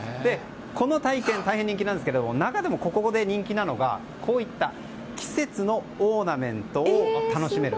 この体験、大変人気なんですけど中でもここで人気なのがこういった季節のオーナメントを楽しめる。